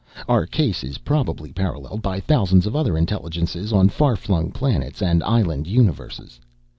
Our case is probably paralleled by thousands of other intelligences on far flung planets and island universes.